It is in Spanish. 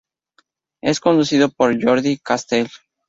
Es conducido por Jordi Castell.